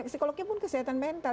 psikolognya pun kesehatan mental